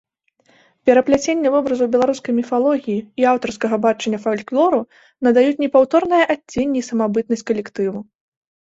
Перапляценне вобразаў беларускай міфалогіі і аўтарскага бачання фальклору надаюць непаўторнае адценне і самабытнасць калектыву.